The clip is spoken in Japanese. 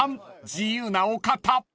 自由なお方］